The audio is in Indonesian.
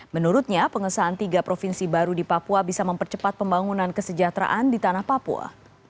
menurutnya pengesahan tiga provinsi baru di papua bisa mempercepat pembangunan kesejahteraan di tanah papua